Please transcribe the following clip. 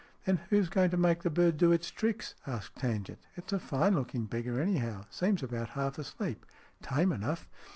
"Then who's going to make the bird do its tricks ?" asked Tangent. " It's a fine looking beggar, anyhow. Seems about half asleep. Tame enough."